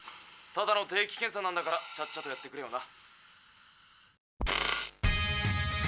「ただの定期検査なんだからちゃっちゃとやってくれよな」。